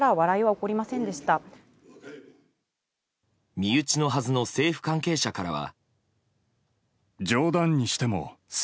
身内のはずの政府関係者からは。